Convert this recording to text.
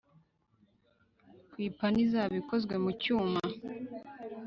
ku ipanu izaba ikozwe mu cyuma